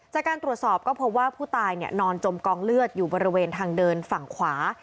จากการตรวจสอบก็พบว่าผู้ตายนอนจมกองเลือดอยู่บริเวณทางเดินฝั่งขวา